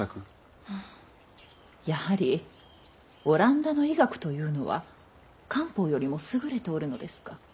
やはりオランダの医学というのは漢方よりも優れておるのですか。